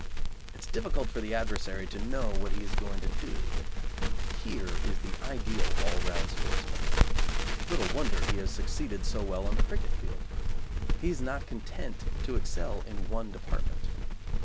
It is difficult for the adversary to know what he is going to do. Here is the ideal all round sportsman. Little wonder he has succeeded so well on the cricket field. He is not content to excel in one department.